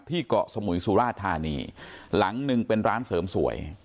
เกาะสมุยสุราธานีหลังหนึ่งเป็นร้านเสริมสวย